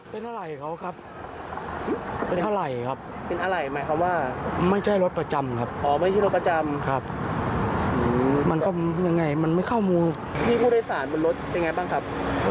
เพิ่งขับมาความเร็วปกติเลยนะครับ